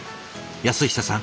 安久さん